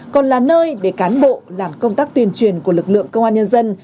còn là nơi để cán bộ làm công tác tuyên truyền của lực lượng công an nhân dân